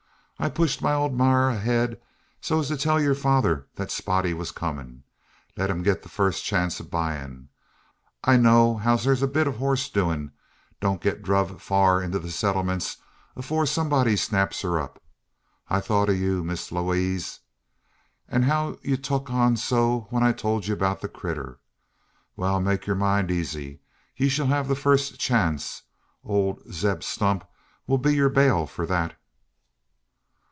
I pushed my ole maar ahead, so 's to tell yur father the spotty war comin', and let him git the fust chance o' buyin'. I know'd as how thet ere bit o' hosdoin's don't get druv fur into the Settlements efore someb'dy snaps her up. I thort o' you, Miss Lewaze, and how ye tuk on so when I tolt ye 'bout the critter. Wal, make yur mind eezy; ye shell hev the fast chance. Ole Zeb Stump 'll be yur bail for thet."